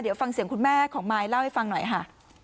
เดี๋ยวฟังเสียงคุณแม่ของมายเล่าให้ฟังหน่อยค่ะ